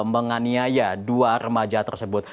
menganiaya dua remaja tersebut